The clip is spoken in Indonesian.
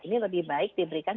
ini lebih baik diberikan